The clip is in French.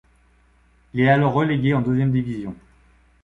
Il est alors relégué en deuxième division.